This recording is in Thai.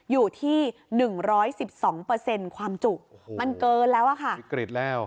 อยู่ที่หนึ่งร้อยสิบสองเปอร์เซ็นต์ความจุโอ้โหมันเกินแล้วอ่ะค่ะวิกฤตแล้ว